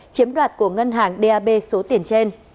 chiếm đoạt của ngân hàng dap số tiền trên